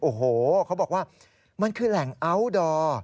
โอ้โหเขาบอกว่ามันคือแหล่งอัลดอร์